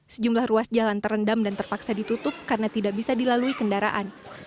sejumlah ruas jalan terendam dan terpaksa ditutup karena tidak bisa dilalui kendaraan